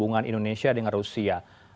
hukum yang dianggap sebagai resolusi pbb